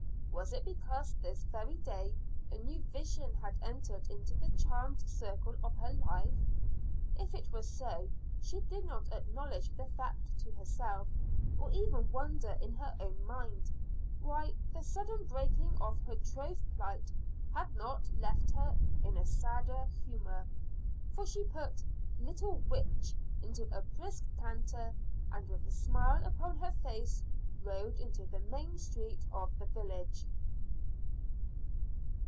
Was it because this very day a new vision had entered into the charmed circle of her life? If it were so, she did not acknowledge the fact to herself; or even wonder in her own mind, why the sudden breaking of her troth plight had not left her in a sadder humor. For she put "Little Witch" into a brisk canter, and with a smile upon her face rode into the main street of the village.